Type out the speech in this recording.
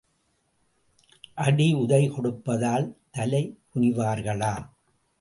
அடி உதை கொடுப்பதால் தலை குனிவார்களா?